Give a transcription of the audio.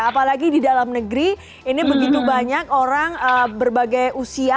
apalagi di dalam negeri ini begitu banyak orang berbagai usia